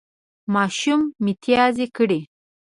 ماشوم متیازې کړې